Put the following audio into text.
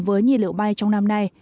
với nhiên liệu bay trong năm nay